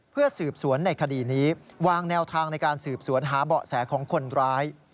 เพื่อสืบสวนในคดีนี้วางแนวทางในการสืบสวนหาเบาะแสของคนร้าย